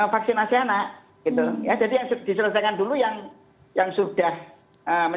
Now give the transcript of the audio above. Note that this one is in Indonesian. ya dua belas sampai dua belas tahun sampai dengan yang dewasa